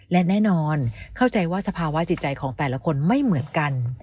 และแน่นอนเข้าใจว่าสภาวะจิตใจของแต่ละคนไม่เหมือนกัน